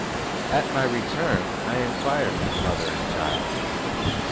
At my return, I enquired for the mother and child.